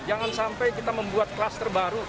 jangan sampai kita membuat klaster baru